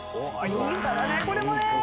いい歌だねこれもね。